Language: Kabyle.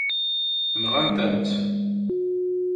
Nɣant-am-tt.